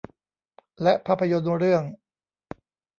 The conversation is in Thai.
และภาพยนตร์เรื่อง